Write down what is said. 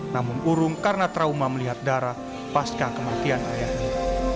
namun urung karena trauma melihat darah pasca kematian ayahnya